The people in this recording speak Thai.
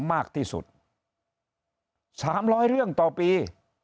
มากที่สุด๓๐๐เรื่องต่อปี